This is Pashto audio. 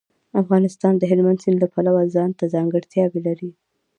افغانستان د هلمند سیند له پلوه ځانته ځانګړتیاوې لري.